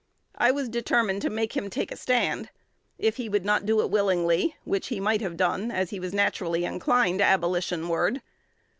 I was determined to make him take a stand, if he would not do it willingly, which he might have done, as he was naturally inclined Abolitionward.